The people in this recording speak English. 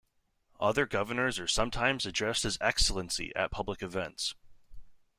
Other governors are sometimes addressed as "Excellency" at public events.